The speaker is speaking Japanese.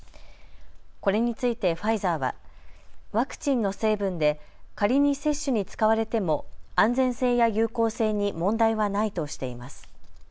これについてファイザーはワクチンの成分で仮に接種に使われても安全性や有効性に問題はないとしています。